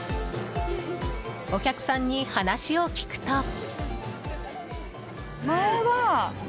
お客さんに話を聞くと。